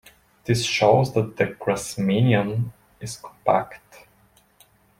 This shows that the Grassmannian is compact.